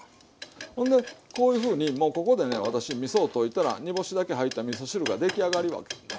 ほんでこういうふうにもうここでね私みそを溶いたら煮干しだけ入ったみそ汁が出来上がるわけです。